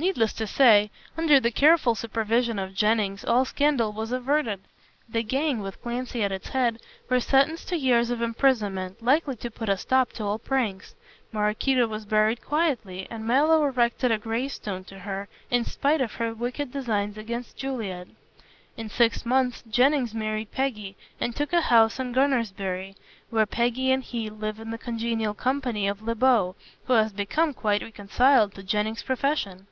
Needless to say, under the careful supervision of Jennings, all scandal was averted. The gang with Clancy at its head were sentenced to years of imprisonment, likely to put a stop to all pranks. Maraquito was buried quietly and Mallow erected a gravestone to her, in spite of her wicked designs against Juliet. In six months Jennings married Peggy and took a house at Gunnersbury, where Peggy and he live in the congenial company of Le Beau, who has become quite reconciled to Jennings' profession.